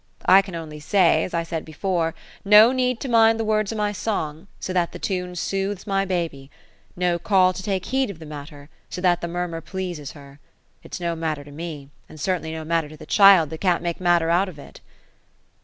'* I can only say, as I said be fore, no need to mind the words of my song, so that the tune soothes my baby ; no call to take heed of the matter, so that the murmur pleases her; it's no matter to me; and certainly no matter to the child, that can't make matter out of it."